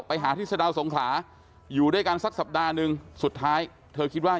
ไปหาธิศนาสงขา